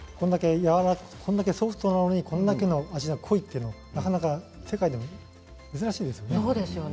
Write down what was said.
これだけソフトなうえでこれだけ味が濃いというのは世界でも珍しいですね。